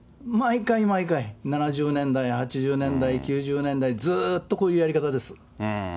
毎回毎回、７０年代、８０年代、９０年代、ずーっとこういうやり方です。